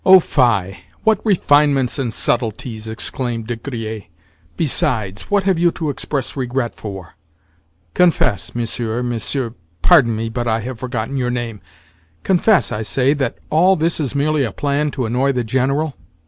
"Oh fie! What refinements and subtleties!" exclaimed De Griers. "Besides, what have you to express regret for? Confess, Monsieur, Monsieur—pardon me, but I have forgotten your name—confess, I say, that all this is merely a plan to annoy the General?